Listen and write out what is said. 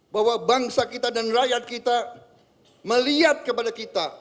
bahwa bangsa kita dan rakyat kita melihat kepada kita